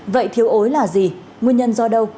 vậy thiếu ối là gì nguyên nhân do đâu